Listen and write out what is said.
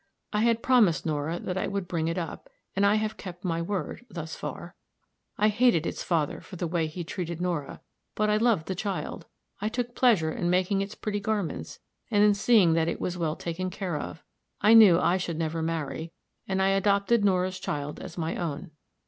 I had promised Nora that I would bring it up, and I have kept my word, thus far. I hated its father for the way he'd treated Nora, but I loved the child; I took pleasure in making its pretty garments and in seeing that it was well taken care of. I knew I should never marry; and I adopted Nora's child as my own.